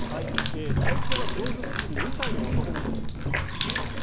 太鼓が上手すぎる２歳の男の子です。